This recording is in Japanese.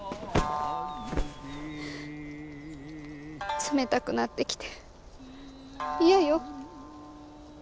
冷たくなってきて嫌よ。